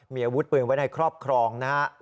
มีอาวุธปืนไว้ในครอบครองนะครับ